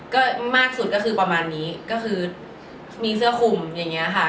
ก็มากสุดก็คือประมาณนี้ก็คือมีเสื้อคุมอย่างเงี้ยค่ะ